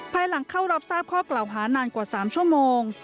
ภายหลังเข้ารับทราบข้อกล่าวหานานกว่า๓ชั่วโมง